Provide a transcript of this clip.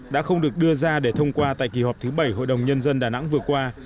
đã không được đưa ra để thông qua tại kỳ họp thứ bảy hội đồng nhân dân đà nẵng vừa qua